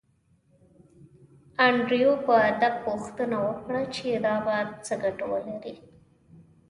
انډریو په ادب پوښتنه وکړه چې دا به څه ګټه ولري